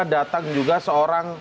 datang juga seorang